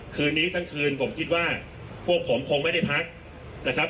คืนนี้ทั้งคืนผมคิดว่าพวกผมคงไม่ได้พักนะครับ